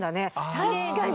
確かに！